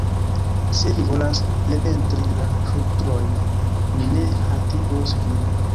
Se vi volas repentri la ŝutrojn, mi ne haltigos vin.